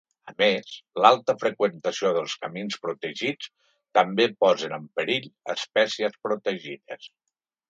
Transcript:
A més, l’alta freqüentació dels camins protegits també posen en perill espècies protegides.